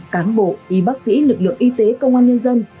cán bộ y bác sĩ lực lượng y tế công an nhân dân